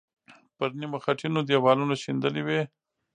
پر نیمه خټینو دیوالونو شیندلې وې.